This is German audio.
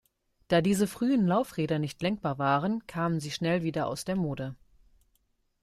Da diese frühen Laufräder nicht lenkbar waren, kamen sie schnell wieder aus der Mode.